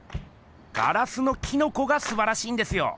ガラスのキノコがすばらしいんですよ。